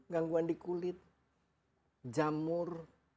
gangguan di kulit jamur